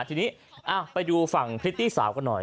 ทีนี้ไปดูฝั่งพริตตี้สาวกันหน่อย